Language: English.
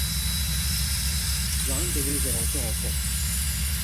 Joint degrees are also offered.